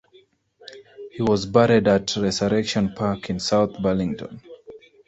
He was buried at Resurrection Park in South Burlington.